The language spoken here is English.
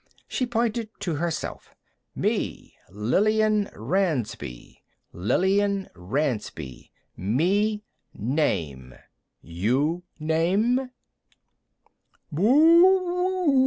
She pointed to herself. "Me Lillian Ransby. Lillian Ransby me name. You name? "_Bwoooo!